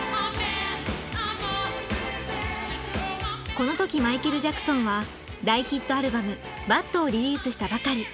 この時マイケル・ジャクソンは大ヒットアルバム「ＢＡＤ」をリリースしたばかり。